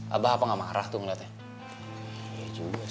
abah apa nggak marah tuh ngeliatnya